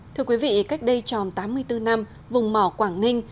thưa quý vị cách đây tròn tám mươi bốn năm vùng mỏ quảng ninh